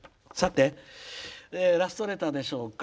ラストレターでしょうか。